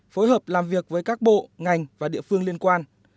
phối hợp làm việc với các bộ ngành và địa phương liên quan